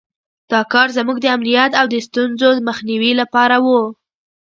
دا کار زموږ د امنیت او د ستونزو مخنیوي لپاره وو.